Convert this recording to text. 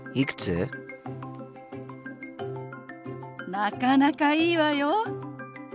なかなかいいわよ。